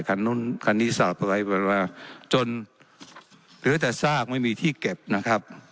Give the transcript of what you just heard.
คันนู้นคันนี้สาบเอาไว้ว่าจนเหลือแต่ซากไม่มีที่เก็บนะครับ